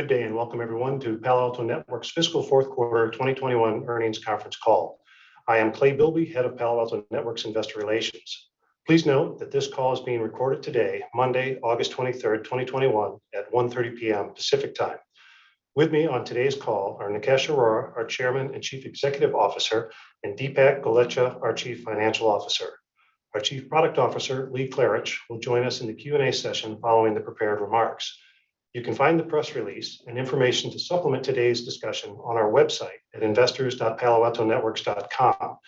Good day, and welcome everyone to Palo Alto Networks' fiscal fourth quarter 2021 earnings conference call. I am Clay Bilby, Head of Palo Alto Networks' Investor Relations. Please note that this call is being recorded today, Monday, August 23rd, 2021, at 1:30 P.M. Pacific Time. With me on today's call are Nikesh Arora, our Chairman and Chief Executive Officer, and Dipak Golechha, our Chief Financial Officer. Our Chief Product Officer, Lee Klarich, will join us in the Q&A session following the prepared remarks. You can find the press release and information to supplement today's discussion on our website at investors.paloaltonetworks.com.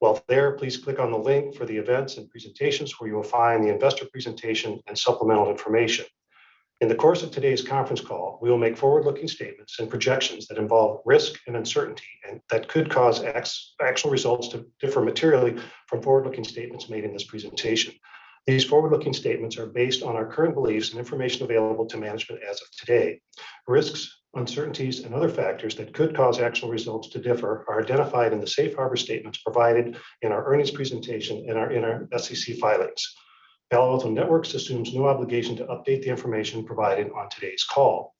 While there, please click on the link for the events and presentations where you will find the investor presentation and supplemental information. In the course of today's conference call, we will make forward-looking statements and projections that involve risk and uncertainty and that could cause actual results to differ materially from forward-looking statements made in this presentation. These forward-looking statements are based on our current beliefs and information available to management as of today. Risks, uncertainties, and other factors that could cause actual results to differ are identified in the safe harbor statements provided in our earnings presentation and our SEC filings. Palo Alto Networks assumes no obligation to update the information provided on today's call.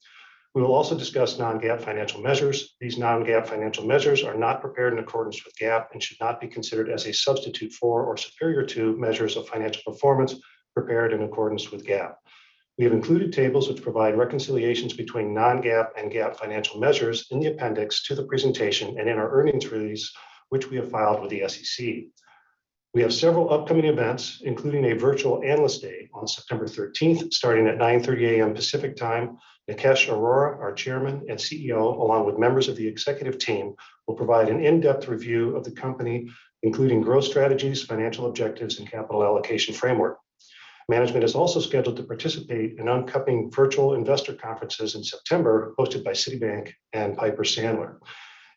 We will also discuss non-GAAP financial measures. These non-GAAP financial measures are not prepared in accordance with GAAP and should not be considered as a substitute for or superior to measures of financial performance prepared in accordance with GAAP. We have included tables which provide reconciliations between non-GAAP and GAAP financial measures in the appendix to the presentation and in our earnings release, which we have filed with the SEC. We have several upcoming events, including a virtual analyst day on September 13th, starting at 9:30 A.M. Pacific Time. Nikesh Arora, our Chairman and CEO, along with members of the executive team, will provide an in-depth review of the company, including growth strategies, financial objectives, and capital allocation framework. Management is also scheduled to participate in upcoming virtual investor conferences in September, hosted by Citibank and Piper Sandler.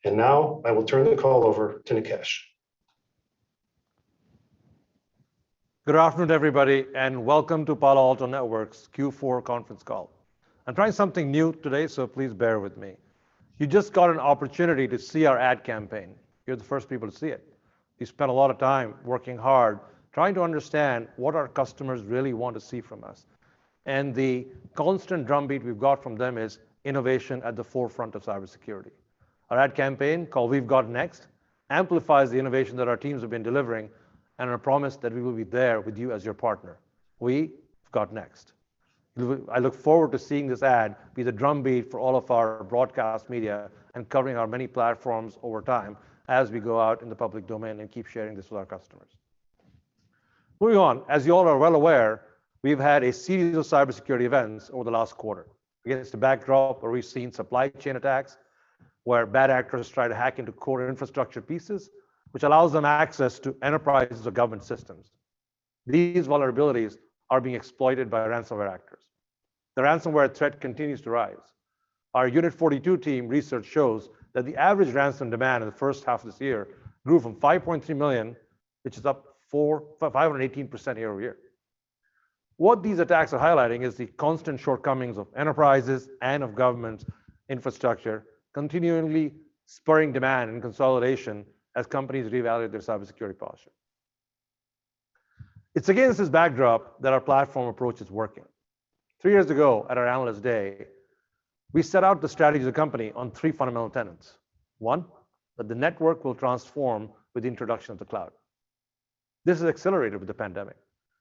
Now I will turn the call over to Nikesh. Good afternoon, everybody. Welcome to Palo Alto Networks' Q4 conference call. I'm trying something new today. Please bear with me. You just got an opportunity to see our ad campaign. You're the first people to see it. We spent a lot of time working hard trying to understand what our customers really want to see from us. The constant drumbeat we've got from them is innovation at the forefront of cybersecurity. Our ad campaign, called We've Got Next, amplifies the innovation that our teams have been delivering and our promise that we will be there with you as your partner. We've Got Next. I look forward to seeing this ad be the drumbeat for all of our broadcast media and covering our many platforms over time as we go out in the public domain and keep sharing this with our customers. Moving on, as you all are well aware, we've had a series of cybersecurity events over the last quarter. Against the backdrop where we've seen supply chain attacks where bad actors try to hack into core infrastructure pieces, which allows them access to enterprises or government systems. These vulnerabilities are being exploited by ransomware actors. The ransomware threat continues to rise. Our Unit 42 team research shows that the average ransom demand in the first half of this year grew from $5.3 million, which is up 518% year-over-year. What these attacks are highlighting is the constant shortcomings of enterprises and of government infrastructure, continually spurring demand and consolidation as companies reevaluate their cybersecurity posture. It's against this backdrop that our platform approach is working. Three years ago at our analyst day, we set out the strategy of the company on three fundamental tenets. One, that the network will transform with the introduction of the cloud. This is accelerated with the pandemic,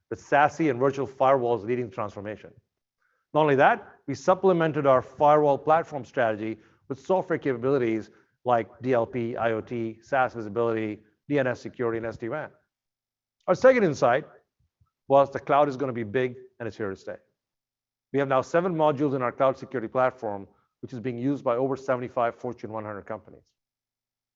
with SASE and virtual firewalls leading the transformation. Not only that, we supplemented our firewall platform strategy with software capabilities like DLP, IoT, SaaS visibility, DNS security, and SD-WAN. Our second insight was the cloud is going to be big and it's here to stay. We have now seven modules in our cloud security platform, which is being used by over 75 Fortune 100 companies.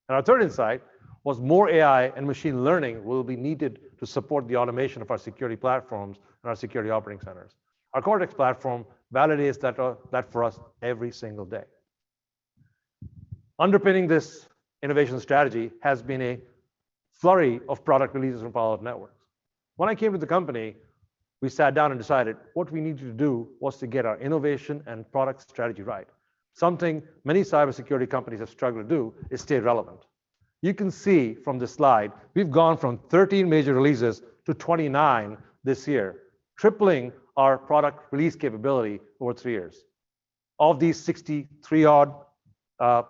Our third insight was more AI and machine learning will be needed to support the automation of our security platforms and our security operating centers. Our Cortex platform validates that for us every single day. Underpinning this innovation strategy has been a flurry of product releases from Palo Alto Networks. When I came to the company, we sat down and decided what we needed to do was to get our innovation and product strategy right. Something many cybersecurity companies have struggled to do is stay relevant. You can see from this slide, we've gone from 13 major releases to 29 this year, tripling our product release capability over three years. Of these 64 odd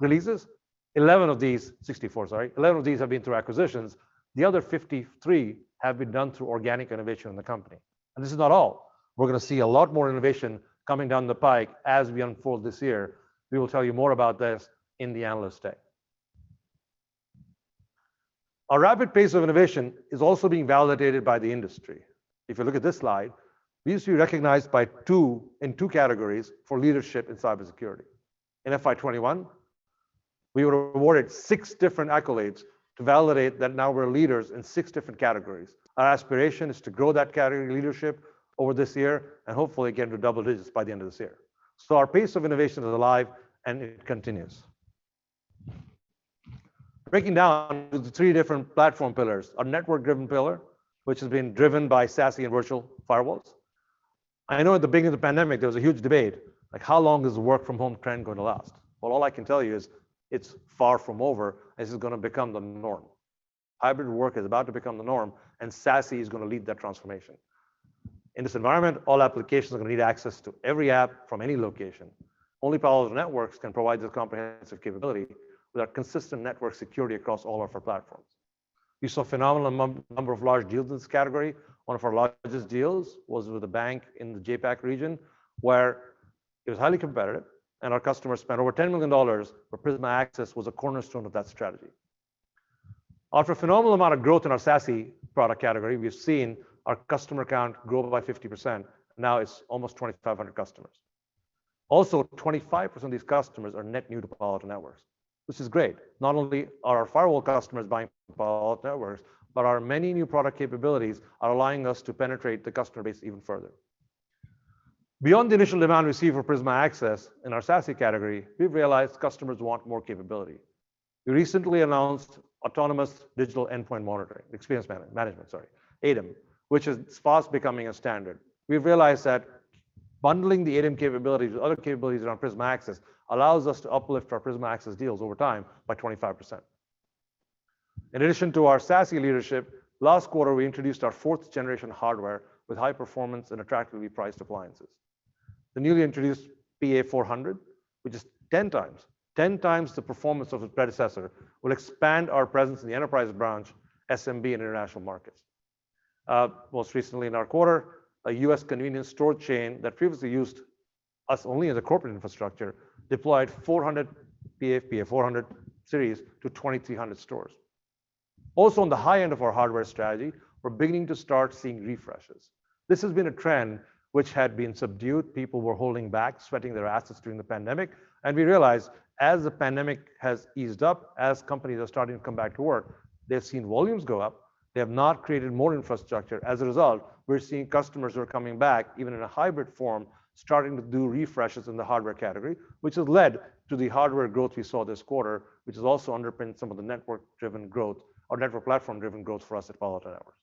releases, 11 of these have been through acquisitions. The other 53 have been done through organic innovation in the company. This is not all. We're going to see a lot more innovation coming down the pike as we unfold this year. We will tell you more about this in the Analyst Day. Our rapid pace of innovation is also being validated by the industry. If you look at this slide, we used to be recognized in two categories for leadership in cybersecurity. In FY 2021, we were awarded six different accolades to validate that now we're leaders in 6 different categories. Our aspiration is to grow that category leadership over this year and hopefully get into double digits by the end of this year. Our pace of innovation is alive and it continues. Breaking down the three different platform pillars, our network-driven pillar, which has been driven by SASE and virtual firewalls. I know at the beginning of the pandemic, there was a huge debate, how long is the work from home trend going to last? Well, all I can tell you is it's far from over. This is going to become the norm. Hybrid work is about to become the norm, and SASE is going to lead that transformation. In this environment, all applications are going to need access to every app from any location. Only Palo Alto Networks can provide this comprehensive capability with our consistent network security across all of our platforms. We saw a phenomenal number of large deals in this category. One of our largest deals was with a bank in the APAC region, where it was highly competitive, and our customers spent over $10 million, where Prisma Access was a cornerstone of that strategy. After a phenomenal amount of growth in our SASE product category, we've seen our customer count grow by 50%. Now it's almost 2,500 customers. Also, 25% of these customers are net new to Palo Alto Networks. This is great. Not only are our firewall customers buying Palo Alto Networks, but our many new product capabilities are allowing us to penetrate the customer base even further. Beyond the initial demand we received for Prisma Access in our SASE category, we've realized customers want more capability. We recently announced autonomous digital endpoint monitoring, experience management, sorry, ADEM, which is fast becoming a standard. We've realized that bundling the ADEM capabilities with other capabilities around Prisma Access allows us to uplift our Prisma Access deals over time by 25%. In addition to our SASE leadership, last quarter, we introduced our fourth generation hardware with high performance and attractively priced appliances. The newly introduced PA400, which is 10x the performance of its predecessor, will expand our presence in the enterprise branch, SMB, and international markets. Most recently in our quarter, a U.S. convenience store chain that previously used us only as a corporate infrastructure, deployed 400 PA400 series to 2,300 stores. On the high end of our hardware strategy, we're beginning to start seeing refreshes. This has been a trend which had been subdued. People were holding back, sweating their assets during the pandemic, and we realized as the pandemic has eased up, as companies are starting to come back to work, they've seen volumes go up. They have not created more infrastructure. As a result, we're seeing customers who are coming back, even in a hybrid form, starting to do refreshes in the hardware category, which has led to the hardware growth we saw this quarter, which has also underpinned some of the network platform driven growth for us at Palo Alto Networks.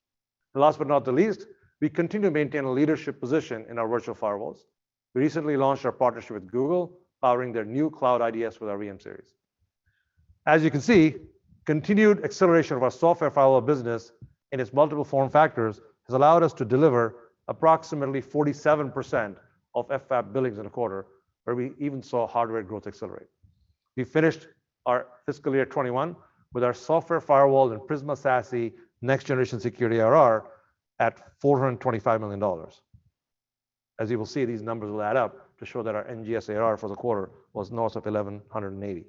Last but not the least, we continue to maintain a leadership position in our virtual firewalls. We recently launched our partnership with Google, powering their new Cloud IDS with our VM-Series. As you can see, continued acceleration of our software firewall business in its multiple form factors has allowed us to deliver approximately 47% of FWaaP billings in a quarter, where we even saw hardware growth accelerate. We finished our fiscal year 2021 with our software firewall and Prisma SASE Next-Generation Security ARR at $425 million. As you will see, these numbers will add up to show that our NGS ARR for the quarter was north of $1,180 million.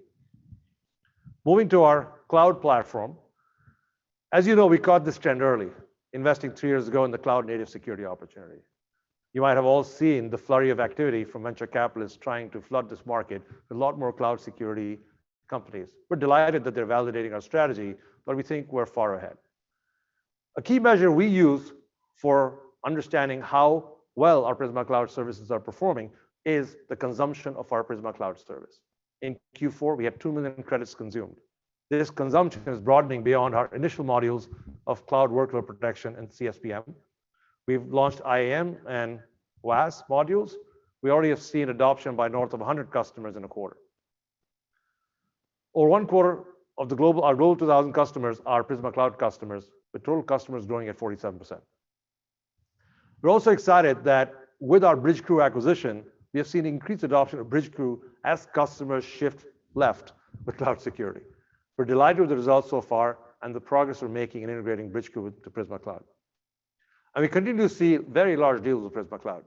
Moving to our cloud platform. As you know, we caught this trend early, investing three years ago in the cloud native security opportunity. You might have all seen the flurry of activity from venture capitalists trying to flood this market with a lot more cloud security companies. We're delighted that they're validating our strategy, but we think we're far ahead. A key measure we use for understanding how well our Prisma Cloud services are performing is the consumption of our Prisma Cloud service. In Q4, we had 2 million credits consumed. This consumption is broadening beyond our initial modules of cloud workload protection and CSPM. We've launched IAM and WAS modules. We already have seen adoption by north of 100 customers in a quarter. Over one quarter of our global 2,000 customers are Prisma Cloud customers, with total customers growing at 47%. We're also excited that with our Bridgecrew acquisition, we have seen increased adoption of Bridgecrew as customers shift left with cloud security. We're delighted with the results so far and the progress we're making in integrating Bridgecrew with the Prisma Cloud. We continue to see very large deals with Prisma Cloud.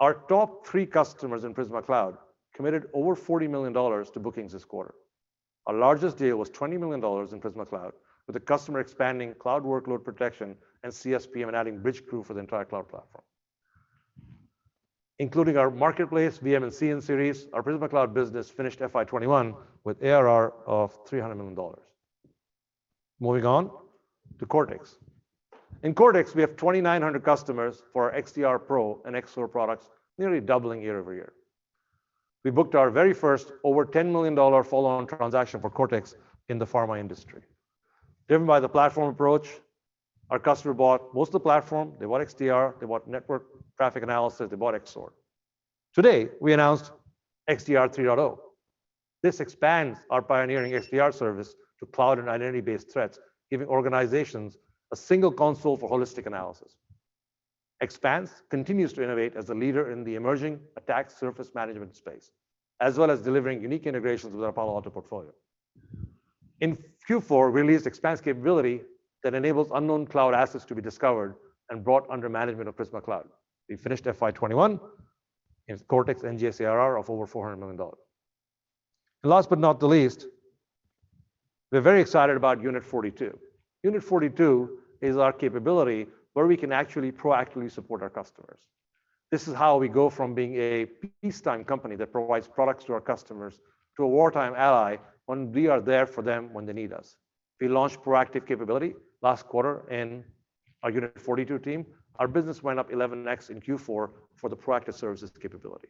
Our top three customers in Prisma Cloud committed over $40 million to bookings this quarter. Our largest deal was $20 million in Prisma Cloud, with a customer expanding cloud workload protection and CSPM and adding Bridgecrew for the entire cloud platform. Including our marketplace, VM-Series and CN-Series, our Prisma Cloud business finished FY 2021 with ARR of $300 million. Moving on to Cortex. In Cortex, we have 2,900 customers for our XDR Pro and XSOAR products, nearly doubling year-over-year. We booked our very first over $10 million follow-on transaction for Cortex in the pharma industry. Driven by the platform approach, our customer bought most of the platform. They bought XDR, they bought network traffic analysis, they bought XSOAR. Today, we announced XDR 3.0. This expands our pioneering XDR service to cloud and identity-based threats, giving organizations a single console for holistic analysis. Xpanse continues to innovate as a leader in the emerging attack surface management space, as well as delivering unique integrations with our Palo Alto Networks portfolio. In Q4, we released Cortex Xpanse capability that enables unknown cloud assets to be discovered and brought under management of Prisma Cloud. We finished FY 2021 in Cortex NGS ARR of over $400 million. Last but not the least, we're very excited about Unit 42. Unit 42 is our capability where we can actually proactively support our customers. This is how we go from being a peacetime company that provides products to our customers to a wartime ally when we are there for them when they need us. We launched proactive capability last quarter in our Unit 42 team. Our business went up 11x in Q4 for the proactive services capability.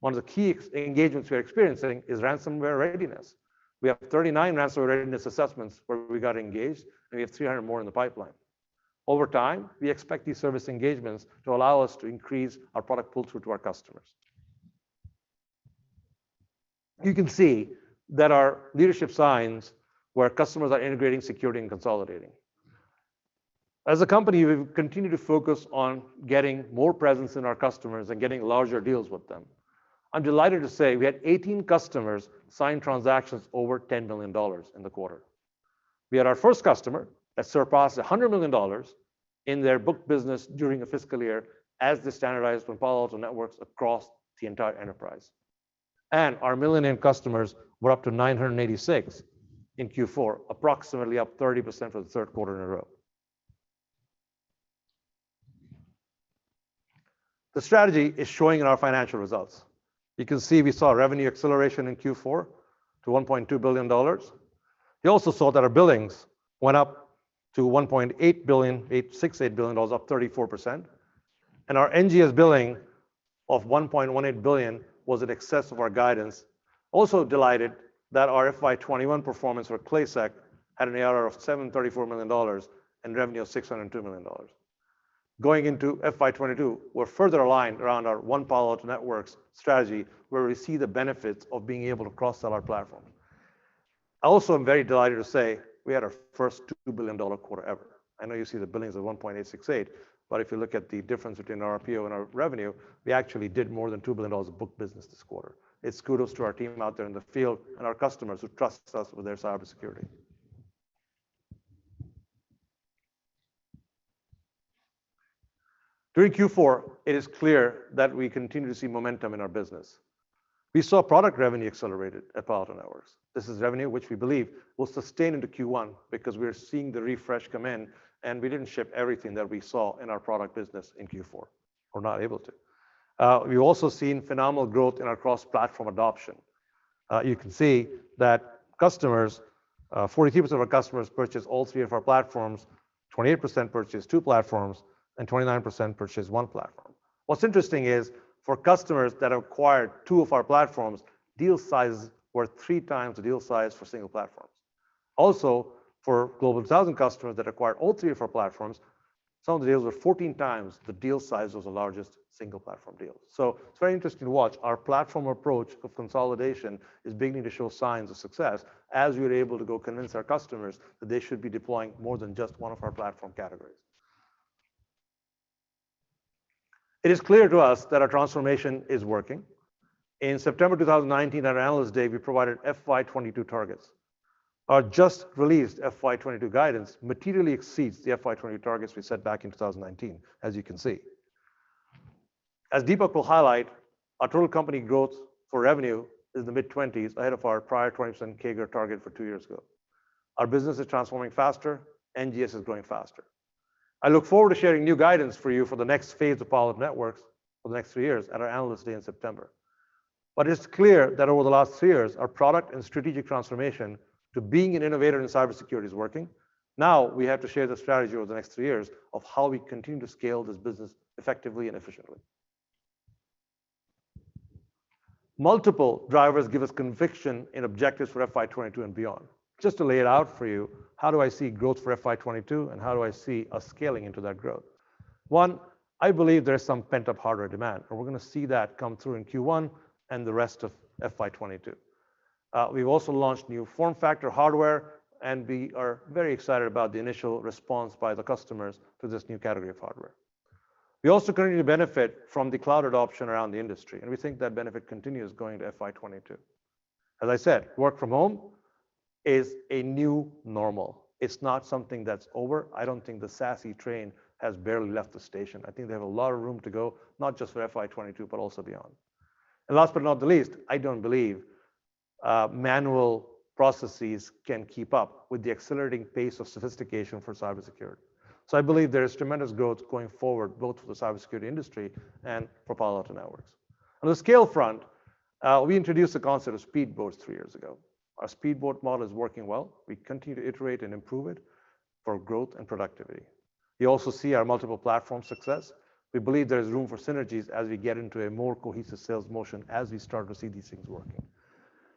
One of the key engagements we're experiencing is ransomware readiness. We have 39 ransomware readiness assessments where we got engaged, and we have 300 more in the pipeline. Over time, we expect these service engagements to allow us to increase our product pull-through to our customers. You can see that our leadership signs where customers are integrating security and consolidating. As a company, we've continued to focus on getting more presence in our customers and getting larger deals with them. I'm delighted to say we had 18 customers sign transactions over $10 million in the quarter. We had our first customer that surpassed $100 million in their booked business during the fiscal year as they standardized with Palo Alto Networks across the entire enterprise. Our million-dollar customers were up to 986 in Q4, approximately up 30% for the third quarter in a row. The strategy is showing in our financial results. You can see we saw revenue acceleration in Q4 to $1.2 billion. We also saw that our billings went up to $1.868 billion, up 34%. Our NGS billing of $1.18 billion was in excess of our guidance. Also delighted that our FY 2021 performance for PlaySec had an ARR of $734 million and revenue of $602 million. Going into FY 2022, we're further aligned around our one Palo Alto Networks strategy where we see the benefits of being able to cross-sell our platform. I also am very delighted to say we had our first $2 billion quarter ever. I know you see the billings of $1.868 billion, but if you look at the difference between our PO and our revenue, we actually did more than $2 billion of booked business this quarter. It's kudos to our team out there in the field and our customers who trust us with their cybersecurity. During Q4, it is clear that we continue to see momentum in our business. We saw product revenue accelerated at Palo Alto Networks. This is revenue which we believe will sustain into Q1 because we are seeing the refresh come in, and we didn't ship everything that we saw in our product business in Q4. We're not able to. We've also seen phenomenal growth in our cross-platform adoption. You can see that 42% of our customers purchased all three of our platforms, 28% purchased two platforms, and 29% purchased one platform. What's interesting is for customers that acquired two of our platforms, deal sizes were three times the deal size for single platforms. Also, for Global 2000 customers that acquired all 3 of our platforms, some of the deals were 14 times the deal size of the largest single-platform deals. It's very interesting to watch. Our platform approach of consolidation is beginning to show signs of success as we are able to go convince our customers that they should be deploying more than just one of our platform categories. It is clear to us that our transformation is working. In September 2019, at our Analyst Day, we provided FY 2022 targets. Our just-released FY 2022 guidance materially exceeds the FY 2020 targets we set back in 2019, as you can see. As Dipak will highlight, our total company growth for revenue is the mid-20s ahead of our prior 20% CAGR target for two years ago. Our business is transforming faster, NGS is growing faster. I look forward to sharing new guidance for you for the next phase of Palo Alto Networks for the next three years at our Analyst Day in September. It's clear that over the last three years, our product and strategic transformation to being an innovator in cybersecurity is working. We have to share the strategy over the next three years of how we continue to scale this business effectively and efficiently. Multiple drivers give us conviction and objectives for FY 2022 and beyond. Just to lay it out for you, how do I see growth for FY 2022 and how do I see us scaling into that growth? One, I believe there is some pent-up hardware demand, and we're going to see that come through in Q1 and the rest of FY 2022. We've also launched new form factor hardware, and we are very excited about the initial response by the customers to this new category of hardware. We also continue to benefit from the cloud adoption around the industry, and we think that benefit continues going to FY 2022. As I said, work from home is a new normal. It's not something that's over. I don't think the SASE train has barely left the station. I think they have a lot of room to go, not just for FY 2022, but also beyond. Last but not the least, I don't believe manual processes can keep up with the accelerating pace of sophistication for cybersecurity. I believe there is tremendous growth going forward, both for the cybersecurity industry and for Palo Alto Networks. On the scale front, we introduced the concept of speed boats three years ago. Our speedboat model is working well. We continue to iterate and improve it for growth and productivity. You also see our multiple platform success. We believe there is room for synergies as we get into a more cohesive sales motion as we start to see these things working.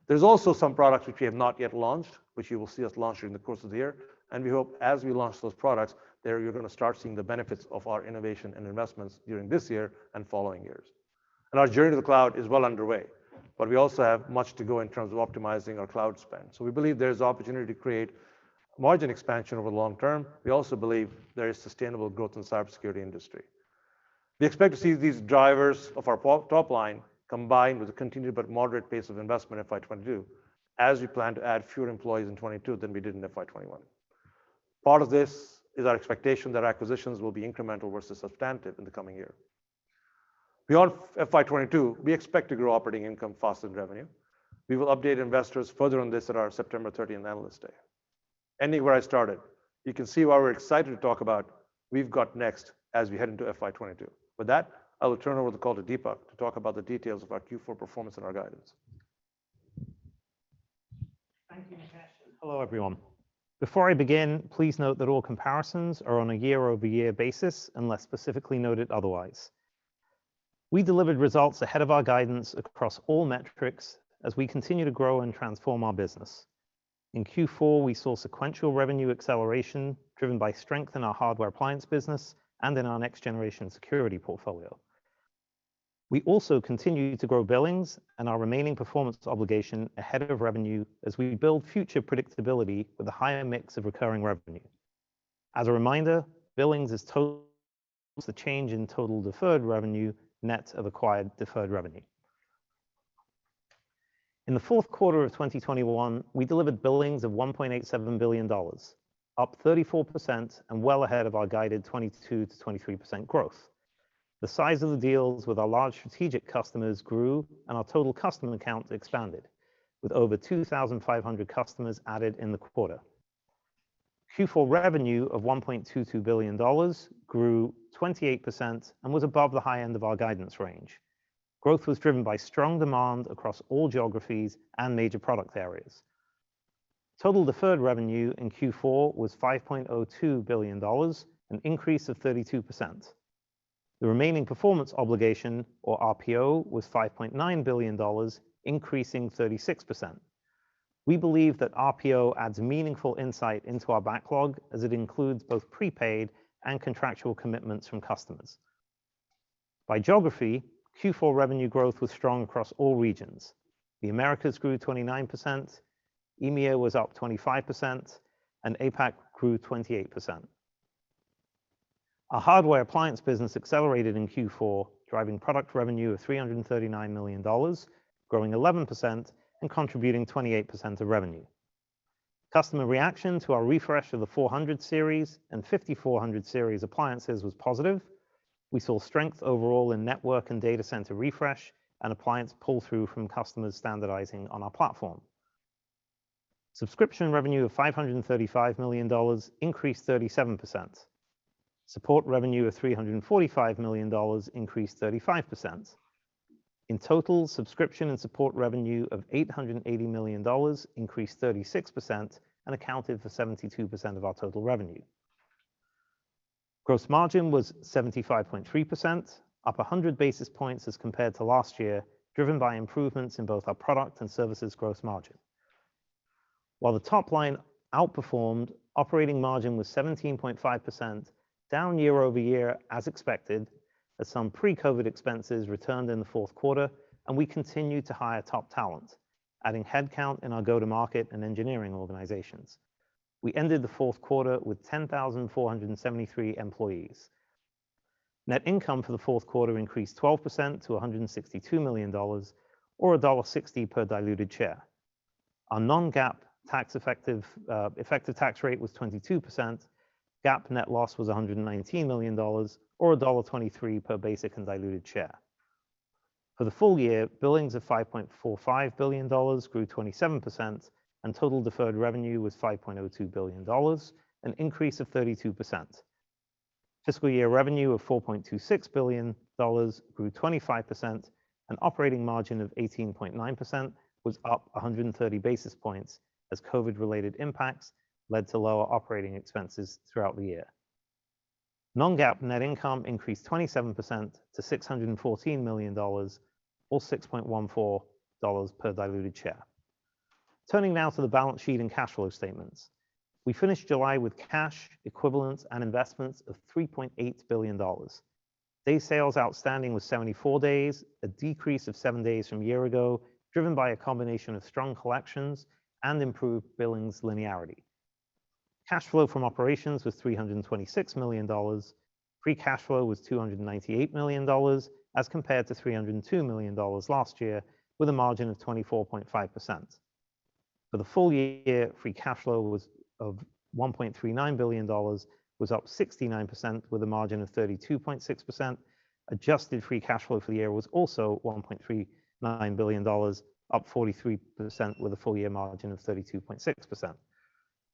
There's also some products which we have not yet launched, which you will see us launch during the course of the year, and we hope as we launch those products, there you're going to start seeing the benefits of our innovation and investments during this year and following years. Our journey to the cloud is well underway, but we also have much to go in terms of optimizing our cloud spend. We believe there's opportunity to create margin expansion over the long term. We also believe there is sustainable growth in the cybersecurity industry. We expect to see these drivers of our top line combined with a continued but moderate pace of investment in FY 2022, as we plan to add fewer employees in 2022 than we did in FY 2021. Part of this is our expectation that acquisitions will be incremental versus substantive in the coming year. Beyond FY 2022, we expect to grow operating income faster than revenue. We will update investors further on this at our September 30 Analyst Day. I started. You can see why we're excited to talk about we've got next as we head into FY 2022. I will turn over the call to Dipak to talk about the details of our Q4 performance and our guidance. Thank you, Nikesh. Hello, everyone. Before I begin, please note that all comparisons are on a year-over-year basis unless specifically noted otherwise. We delivered results ahead of our guidance across all metrics as we continue to grow and transform our business. In Q4, we saw sequential revenue acceleration driven by strength in our hardware appliance business and in our Next-Generation Security portfolio. We also continue to grow billings and our remaining performance obligation ahead of revenue as we build future predictability with a higher mix of recurring revenue. As a reminder, billings is total the change in total deferred revenue net of acquired deferred revenue. In the fourth quarter of 2021, we delivered billings of $1.87 billion, up 34% and well ahead of our guided 22%-23% growth. The size of the deals with our large strategic customers grew, and our total customer accounts expanded, with over 2,500 customers added in the quarter. Q4 revenue of $1.22 billion grew 28% and was above the high end of our guidance range. Growth was driven by strong demand across all geographies and major product areas. Total deferred revenue in Q4 was $5.02 billion, an increase of 32%. The remaining performance obligation, or RPO, was $5.9 billion, increasing 36%. We believe that RPO adds meaningful insight into our backlog, as it includes both prepaid and contractual commitments from customers. By geography, Q4 revenue growth was strong across all regions. The Americas grew 29%, EMEA was up 25%, and APAC grew 28%. Our hardware appliance business accelerated in Q4, driving product revenue of $339 million, growing 11% and contributing 28% of revenue. Customer reaction to our refresh of the PA-400 Series and PA-5400 Series appliances was positive. We saw strength overall in network and data center refresh and appliance pull-through from customers standardizing on our platform. Subscription revenue of $535 million increased 37%. Support revenue of $345 million increased 35%. In total, subscription and support revenue of $880 million increased 36% and accounted for 72% of our total revenue. Gross margin was 75.3%, up 100 basis points as compared to last year, driven by improvements in both our product and services gross margin. While the top line outperformed, operating margin was 17.5%, down year-over-year as expected, as some pre-COVID expenses returned in the fourth quarter and we continued to hire top talent, adding headcount in our go-to-market and engineering organizations. We ended the fourth quarter with 10,473 employees. Net income for the fourth quarter increased 12% to $162 million, or $1.60 per diluted share. Our non-GAAP effective tax rate was 22%. GAAP net loss was $119 million, or $1.23 per basic and diluted share. For the full year, billings of $5.45 billion grew 27%, and total deferred revenue was $5.02 billion, an increase of 32%. Fiscal year revenue of $4.26 billion grew 25%, and operating margin of 18.9% was up 130 basis points as COVID-related impacts led to lower operating expenses throughout the year. Non-GAAP net income increased 27% to $614 million, or $6.14 per diluted share. Turning now to the balance sheet and cash flow statements. We finished July with cash equivalents and investments of $3.8 billion. Days sales outstanding was 74 days, a decrease of seven days from a year ago, driven by a combination of strong collections and improved billings linearity. Cash flow from operations was $326 million. Free cash flow was $298 million as compared to $302 million last year, with a margin of 24.5%. For the full year, free cash flow of $1.39 billion was up 69%, with a margin of 32.6%. Adjusted free cash flow for the year was also $1.39 billion, up 43%, with a full-year margin of 32.6%.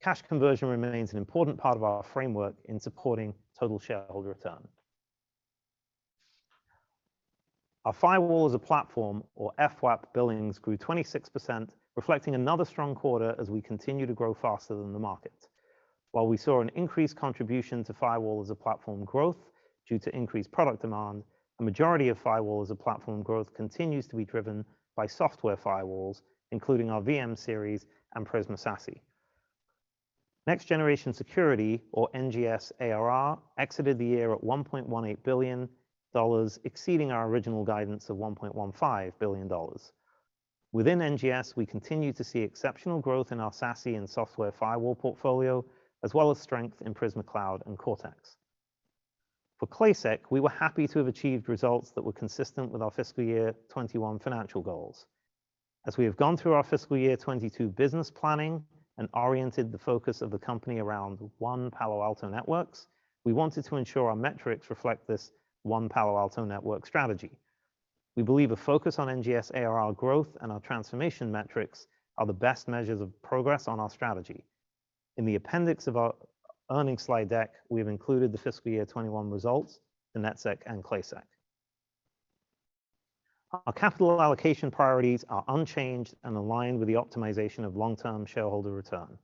Cash conversion remains an important part of our framework in supporting total shareholder return. Our Firewall as a Platform, or FWaaP, billings grew 26%, reflecting another strong quarter as we continue to grow faster than the market. While we saw an increased contribution to Firewall as a Platform growth due to increased product demand, the majority of Firewall as a Platform growth continues to be driven by software firewalls, including our VM-Series and Prisma SASE. Next-Generation Security, or NGS ARR, exited the year at $1.18 billion, exceeding our original guidance of $1.15 billion. Within NGS, we continue to see exceptional growth in our SASE and software firewall portfolio, as well as strength in Prisma Cloud and Cortex. For Classic, we were happy to have achieved results that were consistent with our fiscal year 2021 financial goals. As we have gone through our fiscal year 2022 business planning and oriented the focus of the company around one Palo Alto Networks, we wanted to ensure our metrics reflect this one Palo Alto Network strategy. We believe a focus on NGS ARR growth and our transformation metrics are the best measures of progress on our strategy. In the appendix of our earnings slide deck, we've included the fiscal year 2021 results in NetSec and Classic. Our capital allocation priorities are unchanged and aligned with the optimization of long-term shareholder return.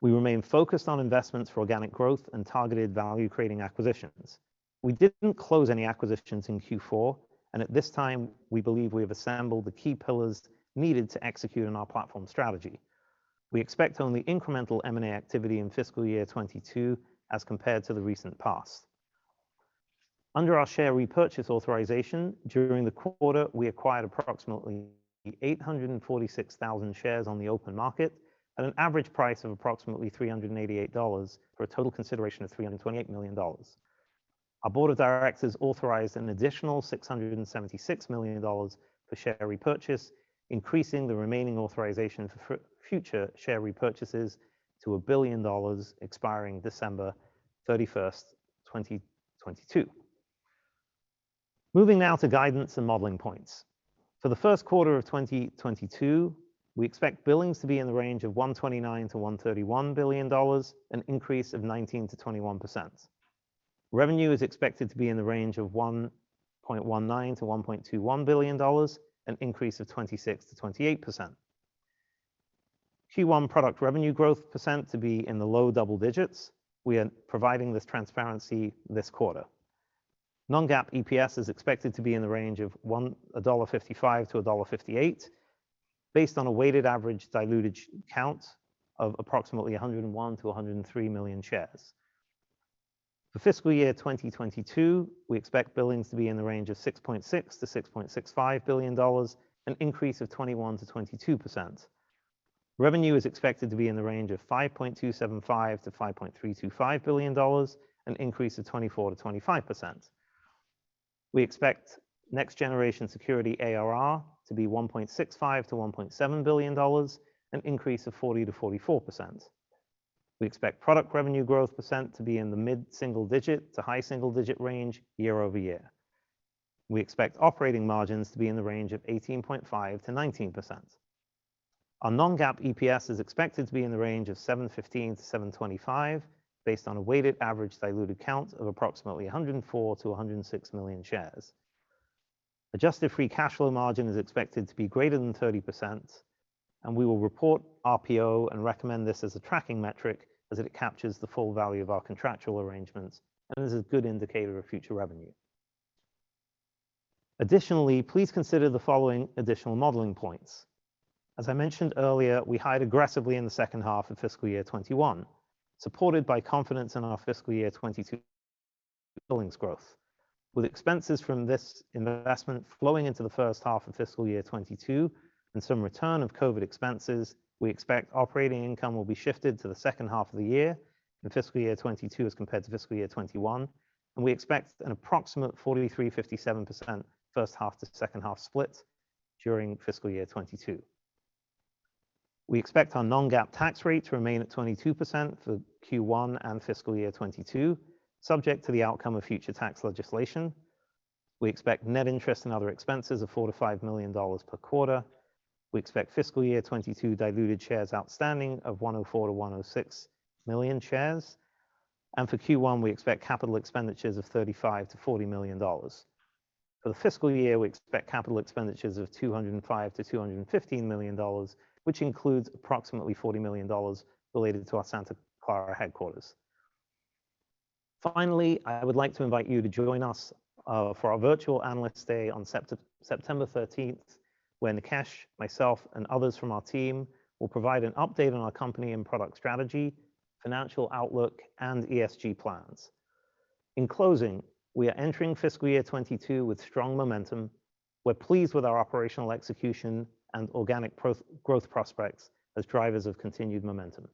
We remain focused on investments for organic growth and targeted value-creating acquisitions. We didn't close any acquisitions in Q4, and at this time, we believe we have assembled the key pillars needed to execute on our platform strategy. We expect only incremental M&A activity in fiscal year 2022 as compared to the recent past. Under our share repurchase authorization, during the quarter, we acquired approximately 846,000 shares on the open market at an average price of approximately $388 for a total consideration of $328 million. Our board of directors authorized an additional $676 million for share repurchase, increasing the remaining authorization for future share repurchases to $1 billion, expiring December 31st, 2022. Moving now to guidance and modeling points. For the first quarter of 2022, we expect billings to be in the range of $129 billion-$131 billion, an increase of 19%-21%. Revenue is expected to be in the range of $1.19 billion-$1.21 billion, an increase of 26%-28%. Q1 product revenue growth % to be in the low double digits. We are providing this transparency this quarter. non-GAAP EPS is expected to be in the range of $1.55-$1.58, based on a weighted average diluted count of approximately 101 million-103 million shares. For fiscal year 2022, we expect billings to be in the range of $6.6 billion-$6.65 billion, an increase of 21%-22%. Revenue is expected to be in the range of $5.275 billion-$5.325 billion, an increase of 24%-25%. We expect Next-Generation Security ARR to be $1.65 billion-$1.7 billion, an increase of 40%-44%. We expect product revenue growth percent to be in the mid-single digit to high single-digit range year-over-year. We expect operating margins to be in the range of 18.5%-19%. Our non-GAAP EPS is expected to be in the range of $7.15-$7.25, based on a weighted average diluted count of approximately 104 million-106 million shares. Adjusted free cash flow margin is expected to be greater than 30%, and we will report RPO and recommend this as a tracking metric as it captures the full value of our contractual arrangements and is a good indicator of future revenue. Additionally, please consider the following additional modeling points. As I mentioned earlier, we hired aggressively in the H2 of fiscal year 2021, supported by confidence in our fiscal year 2022 billings growth. With expenses from this investment flowing into the H1 of fiscal year 2022 and some return of COVID expenses, we expect operating income will be shifted to the second half of the year in fiscal year 2022 as compared to fiscal year 2021. We expect an approximate 43%, 57% first-half to second-half split during fiscal year 2022. We expect our non-GAAP tax rate to remain at 22% for Q1 and fiscal year 2022, subject to the outcome of future tax legislation. We expect net interest and other expenses of $4 million-$5 million per quarter. We expect FY 2022 diluted shares outstanding of 104 million-106 million shares. For Q1, we expect capital expenditures of $35 million-$40 million. For the fiscal year, we expect capital expenditures of $205 million-$215 million, which includes approximately $40 million related to our Santa Clara headquarters. Finally, I would like to invite you to join us for our virtual Analyst Day on September 13th, when Nikesh, myself, and others from our team will provide an update on our company and product strategy, financial outlook, and ESG plans. In closing, we are entering FY 2022 with strong momentum. We're pleased with our operational execution and organic growth prospects as drivers of continued momentum.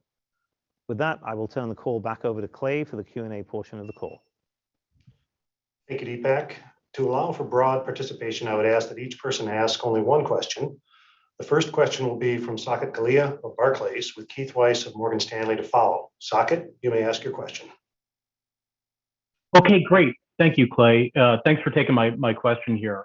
With that, I will turn the call back over to Clay for the Q&A portion of the call. Thank you, Dipak. To allow for broad participation, I would ask that each person ask only one question. The first question will be from Saket Kalia of Barclays, with Keith Weiss of Morgan Stanley to follow. Saket, you may ask your question. Okay, great. Thank you, Clay. Thanks for taking my question here.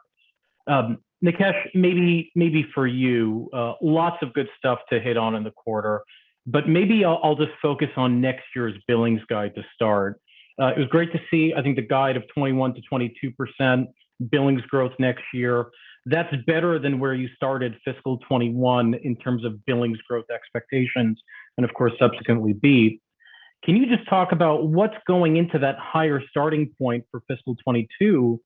Nikesh, maybe for you, lots of good stuff to hit on in the quarter, but maybe I'll just focus on next year's billings guide to start. It was great to see, I think, the guide of 21%-22% billings growth next year. That's better than where you started fiscal 2021 in terms of billings growth expectations, and of course, subsequently beat. Can you just talk about what's going into that higher starting point for fiscal 2022,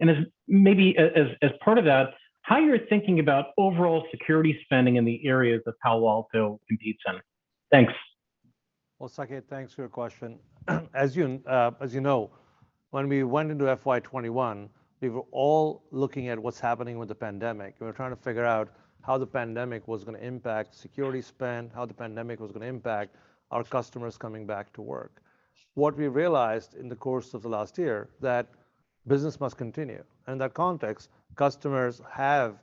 and maybe as part of that, how you're thinking about overall security spending in the areas of Palo Alto and PwC? Thanks. Well, Saket, thanks for your question. As you know, when we went into FY 2021, we were all looking at what's happening with the pandemic. We were trying to figure out how the pandemic was going to impact security spend, how the pandemic was going to impact our customers coming back to work. What we realized in the course of the last year, that business must continue. In that context, customers have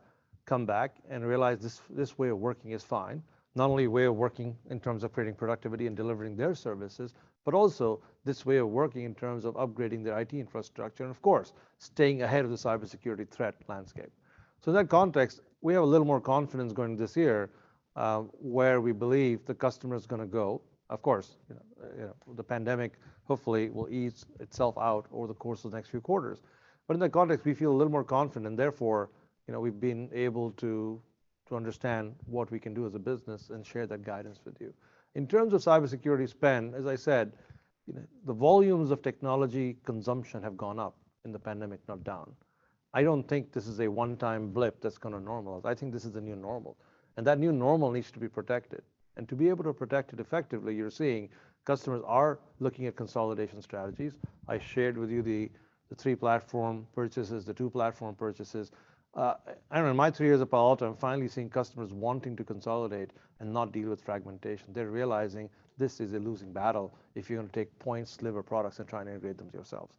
come back and realized this way of working is fine. Not only way of working in terms of creating productivity and delivering their services, but also this way of working in terms of upgrading their IT infrastructure and, of course, staying ahead of the cybersecurity threat landscape. In that context, we have a little more confidence going into this year, where we believe the customer's going to go. Of course, the pandemic hopefully will ease itself out over the course of the next few quarters. In that context, we feel a little more confident, and therefore, we've been able to To understand what we can do as a business and share that guidance with you. In terms of cybersecurity spend, as I said, the volumes of technology consumption have gone up in the pandemic, not down. I don't think this is a one-time blip that's going to normalize. This is the new normal, and that new normal needs to be protected. To be able to protect it effectively, you're seeing customers are looking at consolidation strategies. I shared with you the three platforms purchases two platform purchases. I don't know, my three years at Palo Alto Networks, I'm finally seeing customers wanting to consolidate and not deal with fragmentation. They're realizing this is a losing battle if you're going to take point sliver products and try and integrate them yourselves.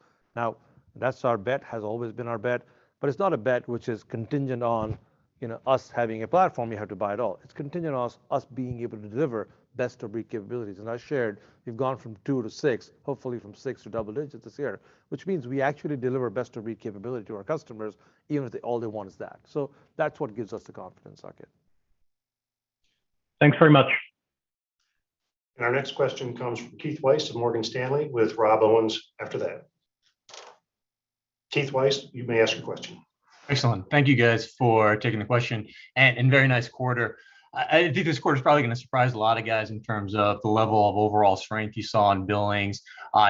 That's our bet, has always been our bet, but it's not a bet which is contingent on us having a platform, you have to buy it all. It's contingent on us being able to deliver best-of-breed capabilities. I shared we've gone from 2 to 6, hopefully from six to double digits this year, which means we actually deliver best-of-breed capability to our customers, even if all they want is that. That's what gives us the confidence, Saket. Thanks very much. Our next question comes from Keith Weiss of Morgan Stanley, with Rob Owens after that. Keith Weiss, you may ask your question. Excellent. Thank you guys for taking the question, very nice quarter. I think this quarter is probably going to surprise a lot of guys in terms of the level of overall strength you saw in billings,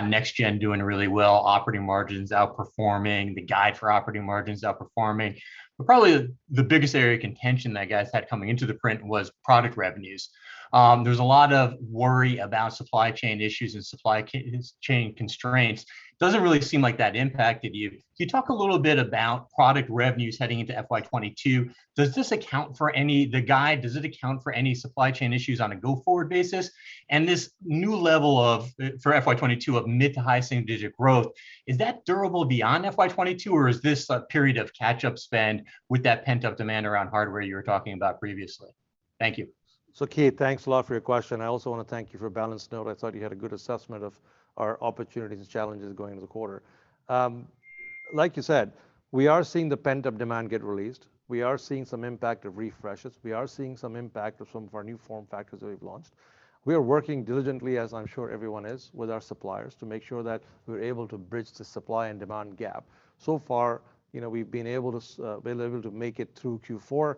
next gen doing really well, operating margins outperforming, the guide for operating margins outperforming. Probably the biggest area of contention that guys had coming into the print was product revenues. There's a lot of worry about supply chain issues and supply chain constraints. Doesn't really seem like that impacted you. Can you talk a little bit about product revenues heading into FY 2022? Does this, the guide, account for any supply chain issues on a go-forward basis? This new level of, for FY 2022, of mid- to high single-digit growth, is that durable beyond FY 2022, or is this a period of catch-up spend with that pent-up demand around hardware you were talking about previously? Thank you. Keith, thanks a lot for your question. I also want to thank you for a balanced note. I thought you had a good assessment of our opportunities and challenges going into the quarter. Like you said, we are seeing the pent-up demand get released. We are seeing some impact of refreshes. We are seeing some impact of some of our new form factors that we've launched. We are working diligently, as I'm sure everyone is, with our suppliers to make sure that we're able to bridge the supply and demand gap. So far, we've been able to make it through Q4.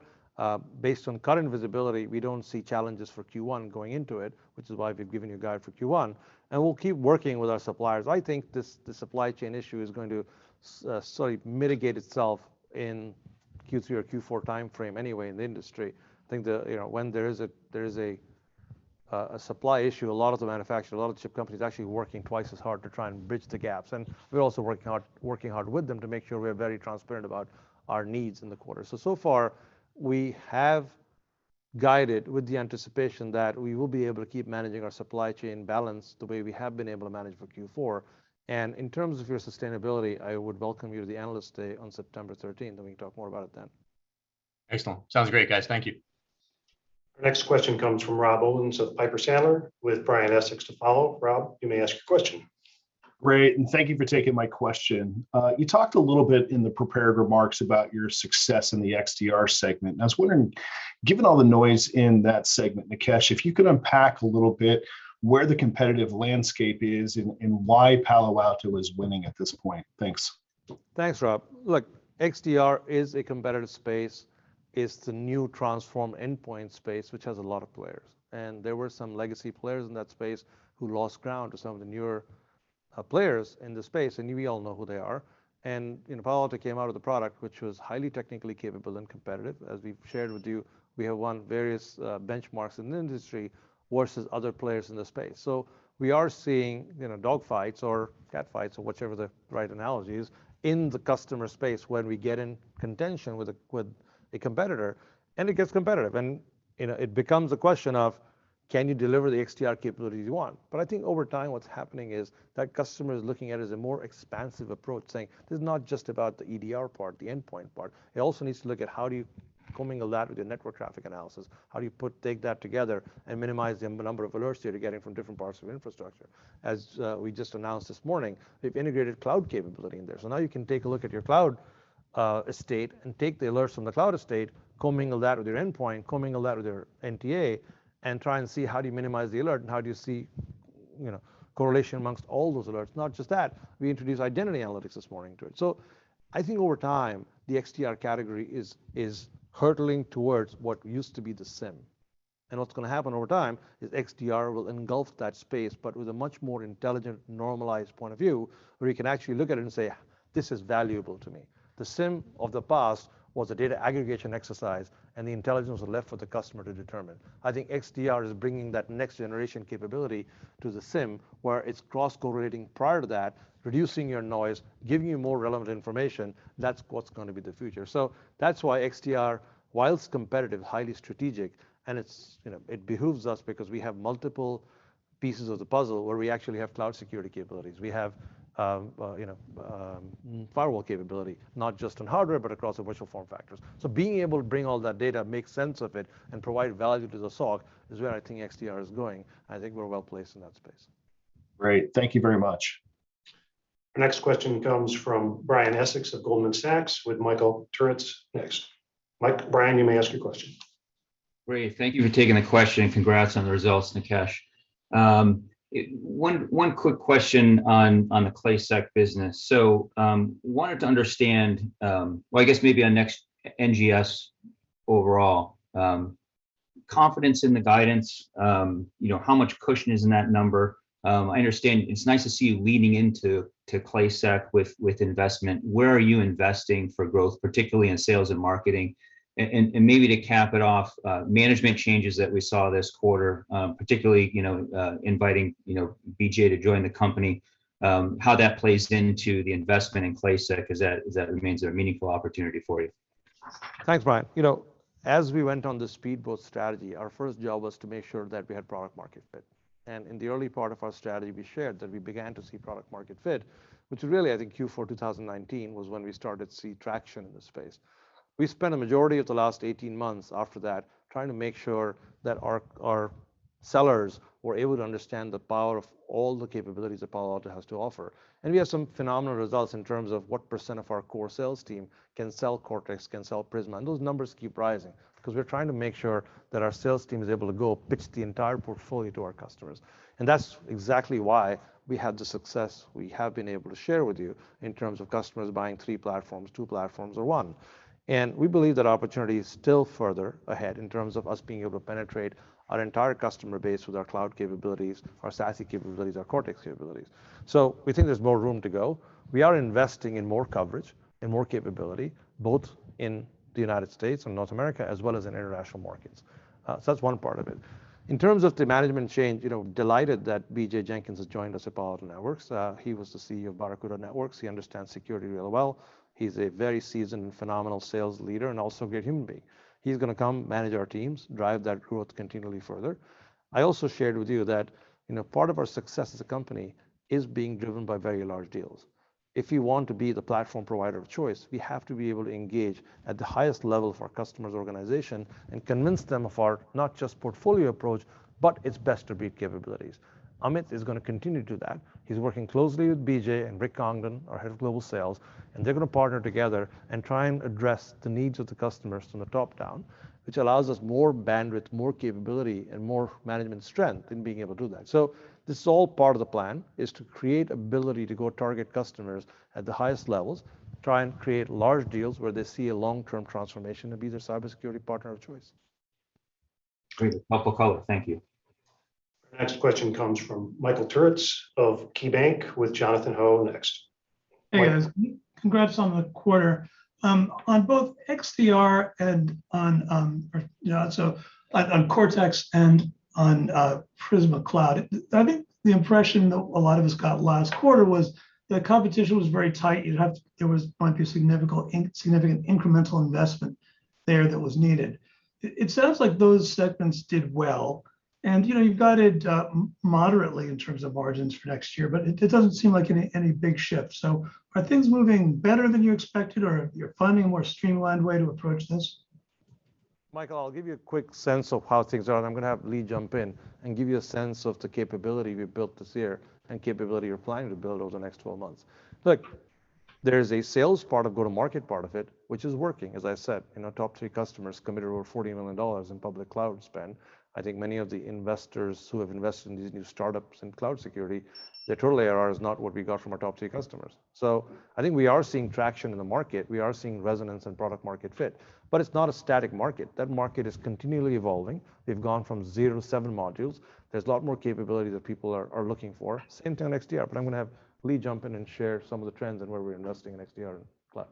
Based on current visibility, we don't see challenges for Q1 going into it, which is why we've given you a guide for Q1, and we'll keep working with our suppliers. I think the supply chain issue is going to mitigate itself in Q3 or Q4 timeframe anyway in the industry. I think that when there is a supply issue, a lot of the manufacturers, a lot of the chip companies are actually working twice as hard to try and bridge the gaps. We're also working hard with them to make sure we're very transparent about our needs in the quarter. So far we have guided with the anticipation that we will be able to keep managing our supply chain balance the way we have been able to manage for Q4. In terms of your sustainability, I would welcome you to the analyst day on September 13th and we can talk more about it then. Excellent. Sounds great, guys. Thank you. Our next question comes from Rob Owens of Piper Sandler, with Brian Essex to follow. Rob, you may ask your question. Great, thank you for taking my question. You talked a little bit in the prepared remarks about your success in the XDR segment. I was wondering, given all the noise in that segment, Nikesh, if you could unpack a little bit where the competitive landscape is and why Palo Alto is winning at this point? Thanks. Thanks, Rob. Look, XDR is a competitive space. It's the new transformed endpoint space which has a lot of players, and there were some legacy players in that space who lost ground to some of the newer players in the space, and we all know who they are. Palo Alto Networks came out with a product which was highly technically capable and competitive. As we've shared with you, we have won various benchmarks in the industry versus other players in the space. We are seeing dog fights or cat fights or whichever the right analogy is, in the customer space when we get in contention with a competitor, and it gets competitive. It becomes a question of can you deliver the XDR capabilities you want? I think over time, what's happening is that customer is looking at it as a more expansive approach, saying this is not just about the EDR part, the endpoint part. It also needs to look at how do you commingle that with your network traffic analysis. How do you take that together and minimize the number of alerts you are getting from different parts of infrastructure? We just announced this morning, we've integrated cloud capability in there. Now you can take a look at your cloud estate and take the alerts from the cloud estate, commingle that with your endpoint, commingle that with your NTA, and try and see how do you minimize the alert and how do you see correlation amongst all those alerts. We introduced identity analytics this morning to it. I think over time, the XDR category is hurtling towards what used to be the SIEM. What's going to happen over time is XDR will engulf that space, but with a much more intelligent, normalized point of view where you can actually look at it and say, "This is valuable to me." The SIEM of the past was a data aggregation exercise, and the intelligence was left for the customer to determine. I think XDR is bringing that next generation capability to the SIEM, where it's cross-correlating prior to that, reducing your noise, giving you more relevant information. That's what's going to be the future. That's why XDR, while it's competitive, highly strategic, and it behooves us because we have multiple pieces of the puzzle where we actually have cloud security capabilities. We have firewall capability, not just on hardware, but across the virtual form factors. Being able to bring all that data, make sense of it, and provide value to the SOC is where I think XDR is going, and I think we're well-placed in that space. Great. Thank you very much. Our next question comes from Brian Essex of Goldman Sachs, with Michael Turits next. Brian, you may ask your question. Great. Thank you for taking the question, and congrats on the results, Nikesh. One quick question on the NGS business. Wanted to understand on Next NGS overall. Confidence in the guidance, how much cushion is in that number? I understand it's nice to see you leaning into NGS with investment. Where are you investing for growth, particularly in sales and marketing? Maybe to cap it off, management changes that we saw this quarter, particularly, inviting BJ to join the company, how that plays into the investment in NGS, because that remains a meaningful opportunity for you. Thanks, Brian. As we went on the speedboat strategy, our first job was to make sure that we had product market fit. In the early part of our strategy, we shared that we began to see product market fit, which really, I think Q4 2019 was when we started to see traction in the space. We spent a majority of the last 18 months after that trying to make sure that our sellers were able to understand the power of all the capabilities that Palo Alto has to offer. We have some phenomenal results in terms of what % of our core sales team can sell Cortex, can sell Prisma, and those numbers keep rising. We're trying to make sure that our sales team is able to go pitch the entire portfolio to our customers. That's exactly why we had the success we have been able to share with you in terms of customers buying three platforms, two platforms, or one. We believe that opportunity is still further ahead in terms of us being able to penetrate our entire customer base with our cloud capabilities, our SASE capabilities, our Cortex capabilities. We think there's more room to go. We are investing in more coverage and more capability, both in the U.S. and North America, as well as in international markets. That's one part of it. In terms of the management change, delighted that BJ Jenkins has joined us at Palo Alto Networks. He was the CEO of Barracuda Networks. He understands security really well. He's a very seasoned and phenomenal sales leader, and also a great human being. He's going to come manage our teams, drive that growth continually further. I also shared with you that part of our success as a company is being driven by very large deals. If you want to be the platform provider of choice, we have to be able to engage at the highest level of our customer's organization and convince them of our not just portfolio approach, but its best-of-breed capabilities. Amit is going to continue to do that. He's working closely with BJ and Rick Congdon, our head of global sales, and they're going to partner together and try and address the needs of the customers from the top down, which allows us more bandwidth, more capability, and more management strength in being able to do that. This is all part of the plan, is to create ability to go target customers at the highest levels, try and create large deals where they see a long-term transformation and be their cybersecurity partner of choice. Great. Wonderful color. Thank you. Our next question comes from Michael Turits of KeyBanc, with Jonathan Ho next. Michael. Hey, guys. Congrats on the quarter. On both XDR and on Cortex and on Prisma Cloud, I think the impression that a lot of us got last quarter was that competition was very tight. There was going to be significant incremental investment there that was needed. It sounds like those segments did well, and you've guided moderately in terms of margins for next year, but it doesn't seem like any big shift. Are things moving better than you expected, or you're finding a more streamlined way to approach this? Michael, I'll give you a quick sense of how things are, and I'm going to have Lee jump in and give you a sense of the capability we've built this year and capability we're planning to build over the next 12 months. Look, there's a sales part, a go-to-market part of it, which is working, as I said. Our top three customers committed over $40 million in public cloud spend. I think many of the investors who have invested in these new startups in cloud security, their total ARR is not what we got from our top three customers. I think we are seeing traction in the market. We are seeing resonance and product market fit. It's not a static market. That market is continually evolving. We've gone from 0 to 7 modules. There's a lot more capability that people are looking for into XDR, but I'm going to have Lee jump in and share some of the trends on where we're investing in XDR and cloud.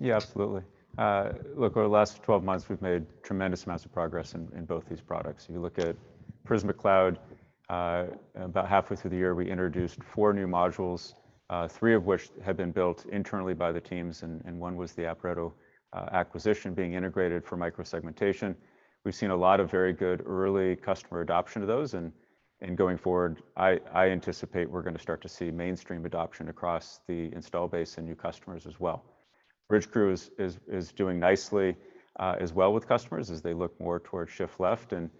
Yeah, absolutely. Look, over the last 12 months, we've made tremendous amounts of progress in both these products. If you look at Prisma Cloud, about halfway through the year, we introduced four new modules, three of which had been built internally by the teams, and one was the Aporeto acquisition being integrated for micro-segmentation. Going forward, I anticipate we're going to start to see mainstream adoption across the install base and new customers as well. Bridgecrew is doing nicely as well with customers as they look more towards shift left. In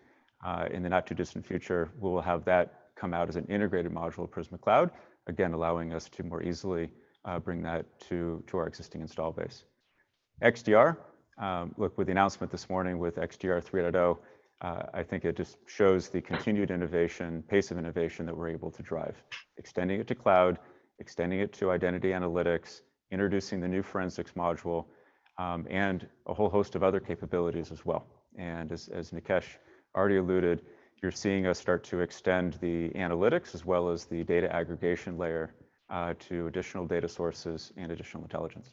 the not-too-distant future, we will have that come out as an integrated module of Prisma Cloud, again, allowing us to more easily bring that to our existing install base. XDR, look, with the announcement this morning with XDR 3.0, I think it just shows the continued pace of innovation that we're able to drive, extending it to cloud, extending it to identity analytics, introducing the new forensics module, and a whole host of other capabilities as well. As Nikesh already alluded, you're seeing us start to extend the analytics as well as the data aggregation layer to additional data sources and additional intelligence.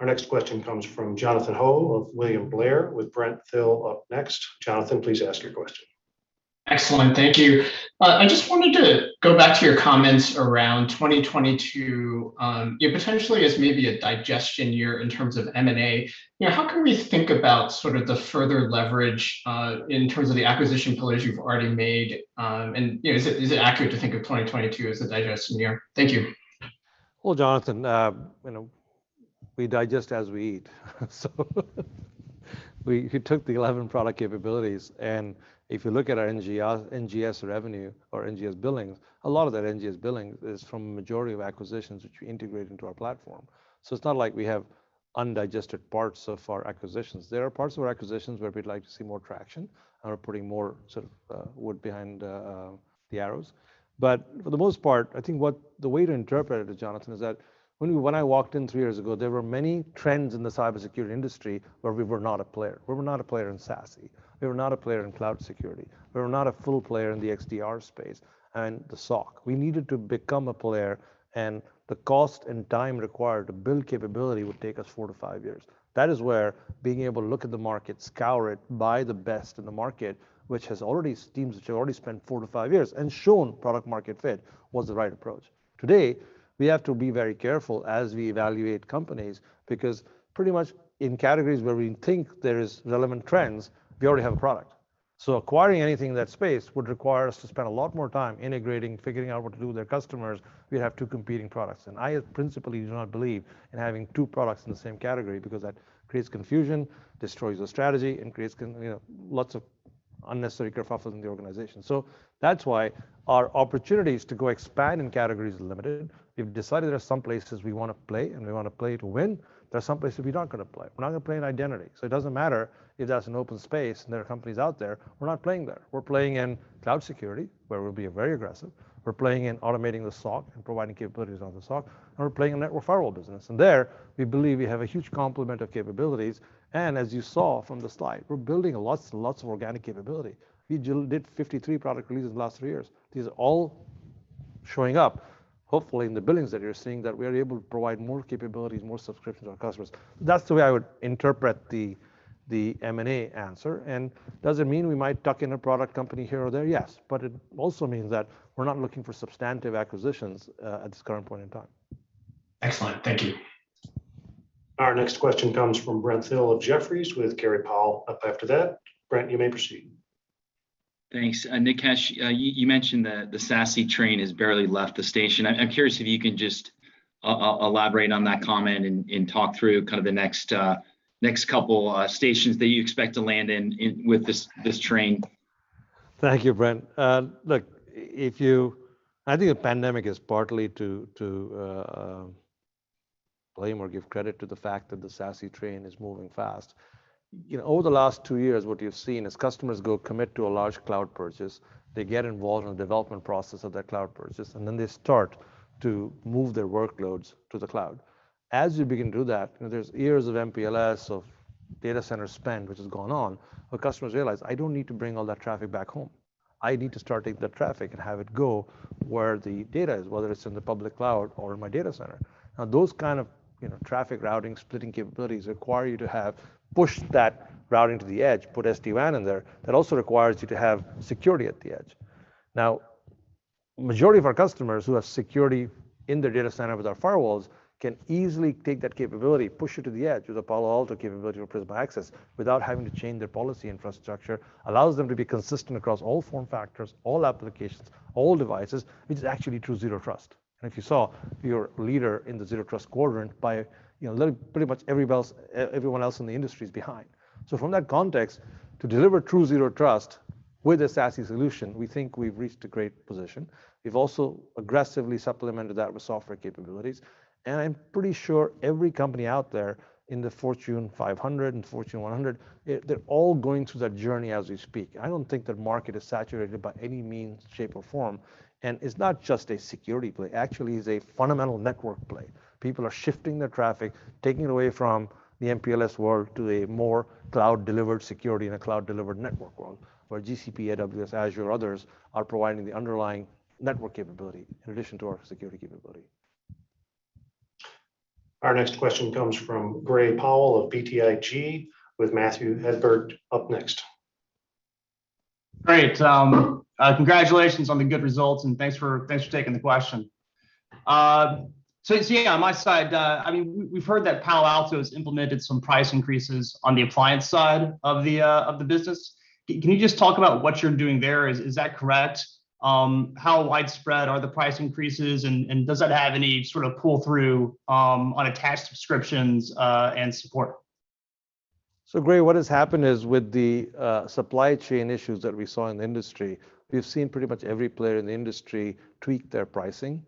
Our next question comes from Jonathan Ho of William Blair, with Brent Thill up next. Jonathan, please ask your question. Excellent, thank you. I just wanted to go back to your comments around 2022, potentially as maybe a digestion year in terms of M&A. How can we think about sort of the further leverage, in terms of the acquisition pillars you've already made, and is it accurate to think of 2022 as a digestion year? Thank you. Well, Jonathan, we digest as we eat. We took the 11 product capabilities, and if you look at our NGS revenue or NGS billing, a lot of that NGS billing is from the majority of acquisitions which we integrated into our platform. It's not like we have undigested parts of our acquisitions. There are parts of our acquisitions where we'd like to see more traction and are putting more wood behind the arrows. For the most part, I think the way to interpret it, Jonathan, is that when I walked in three years ago, there were many trends in the cybersecurity industry where we were not a player. We were not a player in SASE. We were not a player in cloud security. We were not a full player in the XDR space and the SOC. We needed to become a player, and the cost and time required to build capability would take us four to five years. That is where being able to look at the market, scour it, buy the best in the market, which has teams which have already spent four to five years and shown product-market fit, was the right approach. Today, we have to be very careful as we evaluate companies, because pretty much in categories where we think there is relevant trends, we already have a product. Acquiring anything in that space would require us to spend a lot more time integrating, figuring out what to do with their customers. We'd have two competing products. I principally do not believe in having two products in the same category because that creates confusion, destroys the strategy, and creates lots of unnecessary kerfuffles in the organization. That's why our opportunities to go expand in categories is limited. We've decided there are some places we want to play, and we want to play to win. There are some places we don't want to play. We're not going to play in identity. It doesn't matter if that's an open space and there are companies out there, we're not playing there. We're playing in cloud security, where we'll be very aggressive. We're playing in automating the SOC and providing capabilities around the SOC, and we're playing in network firewall business. There, we believe we have a huge complement of capabilities, and as you saw from the slide, we're building lots and lots of organic capability. We did 53 product releases in the last three years. These are all showing up, hopefully, in the billings that you're seeing, that we are able to provide more capabilities, more subscriptions to our customers. That's the way I would interpret the M&A answer. Does it mean we might tuck in a product company here or there? Yes. It also means that we're not looking for substantive acquisitions at this current point in time. Excellent. Thank you. Our next question comes from Brent Thill of Jefferies, with Gray Powell up after that. Brent, you may proceed. Thanks. Nikesh, you mentioned that the SASE train has barely left the station, I'm curious if you can just elaborate on that comment and talk through the next couple stations that you expect to land in with this train? Thank you, Brent. Look, I think the pandemic is partly to blame or give credit to the fact that the SASE train is moving fast. Over the last two years, what we've seen is customers go commit to a large cloud purchase, they get involved in the development process of that cloud purchase. They start to move their workloads to the cloud. As you begin to do that, there's years of MPLS, of data center spend which has gone on, where customers realize, "I don't need to bring all that traffic back home. I need to start taking the traffic and have it go where the data is, whether it's in the public cloud or in my data center." Those kind of traffic routing, splitting capabilities require you to have pushed that routing to the edge, put SD-WAN in there. That also requires you to have security at the edge. Now, majority of our customers who have security in their data center with our firewalls can easily take that capability, push it to the edge with the Palo Alto capability or Prisma Access without having to change their policy infrastructure, allows them to be consistent across all form factors, all applications, all devices, which is actually true zero trust. If you saw, we are leader in the zero trust quadrant by pretty much everyone else in the industry is behind. From that context, to deliver true zero trust with a SASE solution, we think we've reached a great position. We've also aggressively supplemented that with software capabilities, and I'm pretty sure every company out there in the Fortune 500 and Fortune 100, they're all going through that journey as we speak. I don't think that market is saturated by any means, shape, or form. It's not just a security play. Actually, it's a fundamental network play. People are shifting their traffic, taking it away from the MPLS world to a more cloud-delivered security and a cloud-delivered network world, where GCP, AWS, Azure, others are providing the underlying network capability in addition to our security capability. Our next question comes from Gray Powell of BTIG, with Matthew Hedberg up next. Great. Congratulations on the good results, and thanks for taking the question. Yeah, on my side, we've heard that Palo Alto has implemented some price increases on the appliance side of the business. Can you just talk about what you're doing there? Is that correct? How widespread are the price increases, and does that have any sort of pull-through on attached subscriptions and support? Gray Powell, what has happened is with the supply chain issues that we saw in the industry, we've seen pretty much every player in the industry tweak their pricing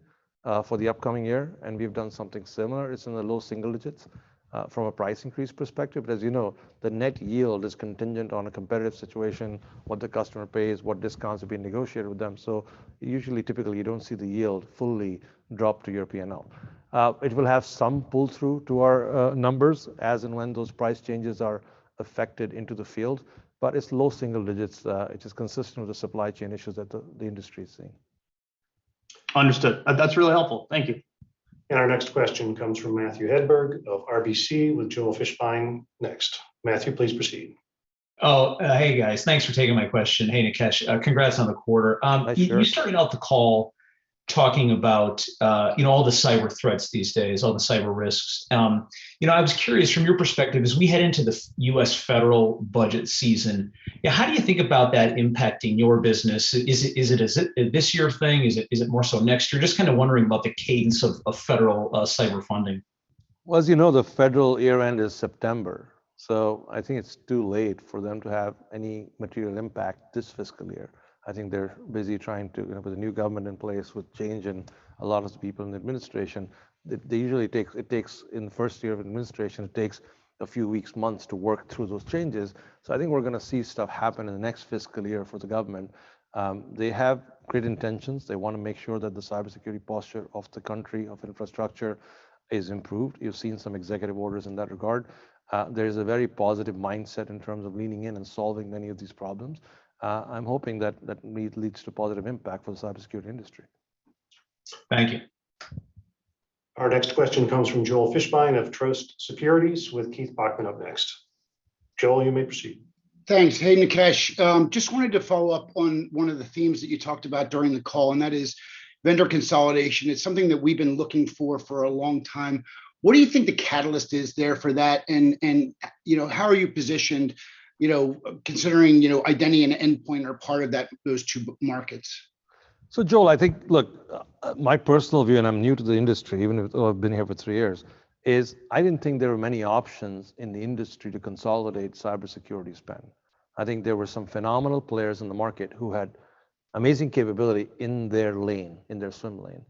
for the upcoming year, and we've done something similar. It's in the low single digits from a price increase perspective. As you know, the net yield is contingent on a competitive situation, what the customer pays, what discounts have been negotiated with them. Usually, typically, you don't see the yield fully drop to your P&L. It will have some pull-through to our numbers, as and when those price changes are affected into the field, but it's low single digits. It is consistent with the supply chain issues that the industry is seeing. Understood. That's really helpful. Thank you. Our next question comes from Matthew Hedberg of RBC, with Joel Fishbein next. Matthew, please proceed. Oh, hey, guys. Thanks for taking my question. Hey, Nikesh. Congrats on the quarter. My pleasure. You started out the call talking about all the cyber threats these days, all the cyber risks. I was curious, from your perspective, as we head into the U.S. federal budget season, how do you think about that impacting your business? Is it a this year thing? Is it more so next year? Just kind of wondering about the cadence of federal cyber funding. Well, as you know, the federal year end is September. I think it's too late for them to have any material impact this fiscal year. I think they're busy trying to, with a new government in place, with change in a lot of people in the administration, it takes, in the first year of an administration, it takes a few weeks, months to work through those changes. I think we're going to see stuff happen in the next fiscal year for the government. They have great intentions. They want to make sure that the cybersecurity posture of the country, of infrastructure is improved. You've seen some executive orders in that regard. There is a very positive mindset in terms of leaning in and solving many of these problems. I'm hoping that leads to positive impact for the cybersecurity industry. Thank you. Our next question comes from Joel Fishbein of Truist Securities, with Keith Bachman up next. Joel, you may proceed. Thanks. Hey, Nikesh. Just wanted to follow up on one of the themes that you talked about during the call, and that is vendor consolidation. It's something that we've been looking for. For a long time. What do you think the catalyst is there for that, and how are you positioned considering identity and endpoint are part of those two markets? Joel, look, my personal view, and I'm new to the industry, even though I've been here for three years, is I didn't think there were many options in the industry to consolidate cybersecurity spend. I think there were some phenomenal players in the market who had amazing capability in their lane, in their swim lane.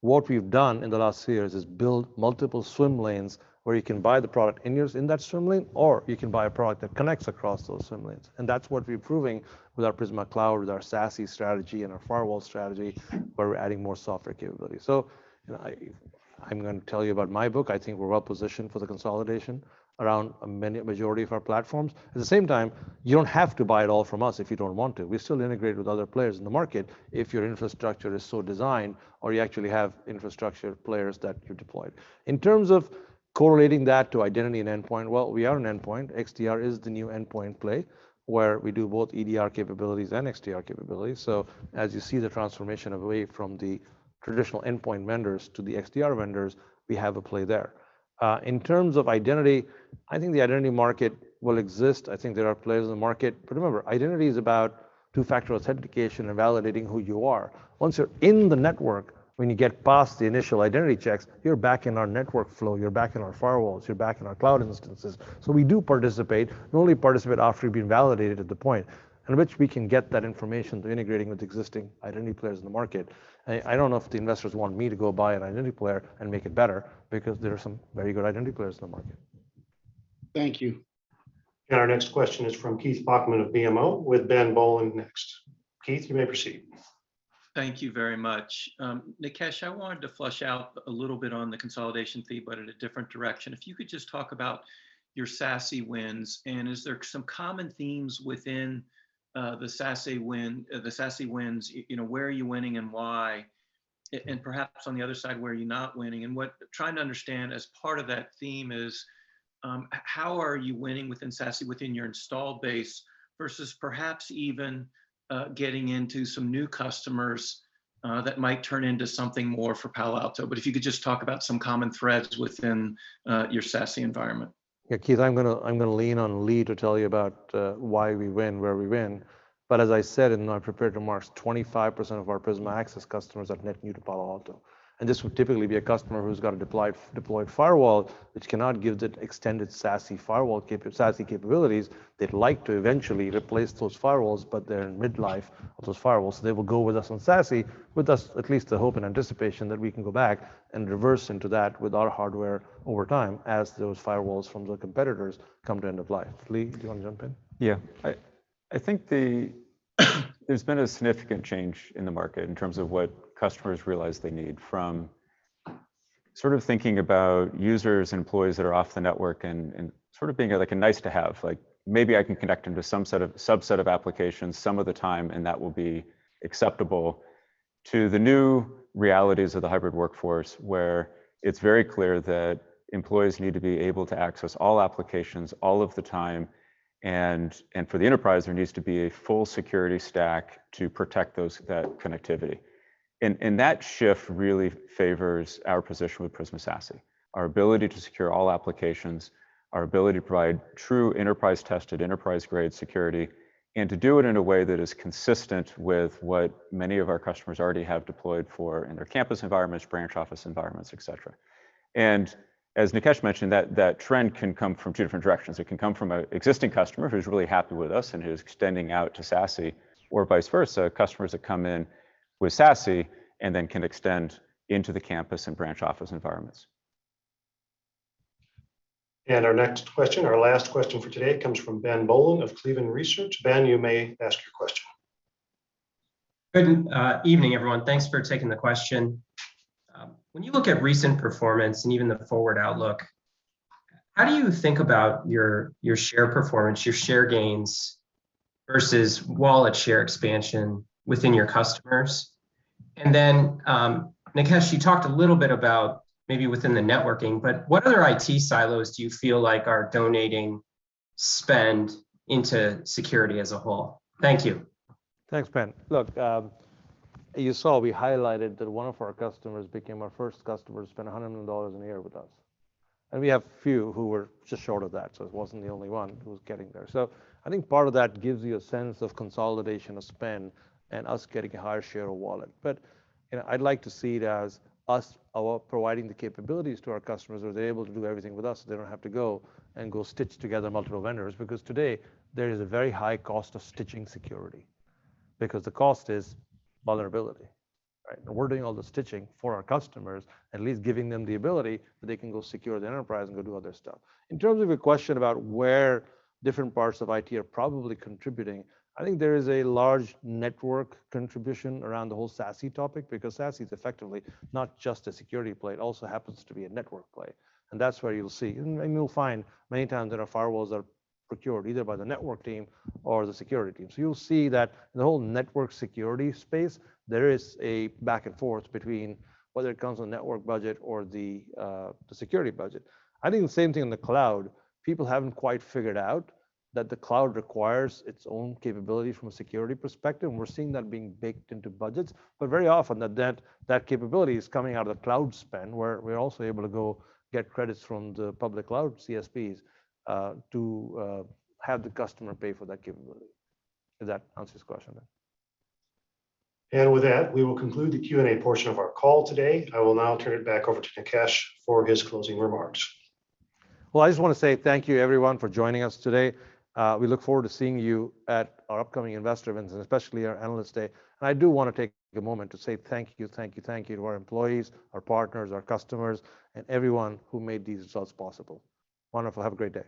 What we've done in the last few years is build multiple swim lanes where you can buy the product in that swim lane, or you can buy a product that connects across those swim lanes. That's what we're proving with our Prisma Cloud, with our SASE strategy, and our firewall strategy, where we're adding more software capability. I'm going to tell you about my book. I think we're well positioned for the consolidation around a majority of our platforms. At the same time, you don't have to buy it all from us if you don't want to. We still integrate with other players in the market if your infrastructure is so designed or you actually have infrastructure players that you deployed. In terms of correlating that to identity and endpoint, well, we are an endpoint. XDR is the new endpoint play, where we do both EDR capabilities and XDR capabilities. As you see the transformation away from the traditional endpoint vendors to the XDR vendors, we have a play there. In terms of identity, I think the identity market will exist. I think there are players in the market. Remember, identity is about two-factor authentication and validating who you are. Once you're in the network, when you get past the initial identity checks, you're back in our network flow, you're back in our firewalls, you're back in our cloud instances. We do participate, but only participate after you've been validated at the point in which we can get that information through integrating with existing identity players in the market. I don't know if the investors want me to go buy an identity player and make it better, because there are some very good identity players in the market. Thank you. Our next question is from Keith Bachman of BMO, with Ben Bollin next. Keith, you may proceed. Thank you very much. Nikesh, I wanted to flush out a little bit on the consolidation theme, but in a different direction. If you could just talk about your SASE wins, and is there some common themes within the SASE wins? Where are you winning and why? Perhaps on the other side, where are you not winning? What I'm trying to understand as part of that theme is, how are you winning within SASE within your installed base, versus perhaps even getting into some new customers that might turn into something more for Palo Alto. If you could just talk about some common threads within your SASE environment. Keith, I'm going to lean on Lee to tell you about why we win where we win. As I said in my prepared remarks, 25% of our Prisma Access customers are net new to Palo Alto. This would typically be a customer who's got a deployed firewall, which cannot give the extended SASE firewall capabilities. They'd like to eventually replace those firewalls, but they're in midlife of those firewalls. They will go with us on SASE, with at least the hope and anticipation that we can go back and reverse into that with our hardware over time as those firewalls from the competitors come to end of life. Lee, do you want to jump in? Yeah. I think there's been a significant change in the market in terms of what customers realize they need, from sort of thinking about users and employees that are off the network and sort of being like a nice to have, like maybe I can connect them to some set of subset of applications some of the time, and that will be acceptable to the new realities of the hybrid workforce, where it's very clear that employees need to be able to access all applications all of the time. For the enterprise, there needs to be a full security stack to protect that connectivity. That shift really favors our position with Prisma SASE, our ability to secure all applications, our ability to provide true enterprise-tested, enterprise-grade security, and to do it in a way that is consistent with what many of our customers already have deployed for in their campus environments, branch office environments, et cetera. As Nikesh mentioned, that trend can come from two different directions. It can come from an existing customer who's really happy with us and who's extending out to SASE, or vice versa, customers that come in with SASE and then can extend into the campus and branch office environments. Our next question, our last question for today comes from Ben Bollin of Cleveland Research Company. Ben, you may ask your question. Good evening, everyone. Thanks for taking the question. When you look at recent performance and even the forward outlook, how do you think about your share performance, your share gains versus wallet share expansion within your customers? Nikesh, you talked a little bit about maybe within the networking, but what other IT silos do you feel like are donating spend into security as a whole? Thank you. Thanks, Ben. Look, you saw we highlighted that one of our customers became our first customer to spend $100 million in a year with us. We have a few who were just short of that, so it wasn't the only one who's getting there. I think part of that gives you a sense of consolidation of spend and us getting a higher share of wallet. I'd like to see it as us providing the capabilities to our customers where they're able to do everything with us, so they don't have to go and go stitch together multiple vendors. Today, there is a very high cost of stitching security because the cost is vulnerability, right? We're doing all the stitching for our customers, at least giving them the ability that they can go secure the enterprise and go do other stuff. In terms of your question about where different parts of IT are probably contributing, I think there is a large network contribution around the whole SASE topic because SASE is effectively not just a security play, it also happens to be a network play. That's where you'll see, and you'll find many times that our firewalls are procured either by the network team or the security team. You'll see that the whole network security space, there is a back and forth between whether it comes on network budget or the security budget. I think the same thing in the cloud. People haven't quite figured out that the cloud requires its own capability from a security perspective, and we're seeing that being baked into budgets. Very often that capability is coming out of the cloud spend, where we're also able to go get credits from the public cloud CSPs to have the customer pay for that capability. If that answers your question. With that, we will conclude the Q&A portion of our call today. I will now turn it back over to Nikesh for his closing remarks. Well, I just want to say thank you, everyone, for joining us today. We look forward to seeing you at our upcoming investor events, and especially our Analyst Day. I do want to take a moment to say thank you, thank you, thank you to our employees, our partners, our customers, and everyone who made these results possible. Wonderful. Have a great day.